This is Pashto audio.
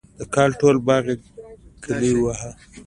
د کال ټول باغ یې ګلي وواهه.